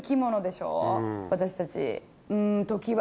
私たち。